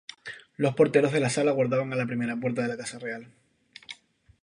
Los porteros de sala guardaban la primera puerta en la casa real.